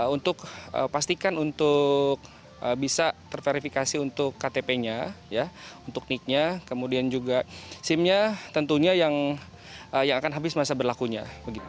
untuk pastikan untuk bisa terverifikasi untuk ktp nya untuk nicknya kemudian juga sim nya tentunya yang akan habis masa berlakunya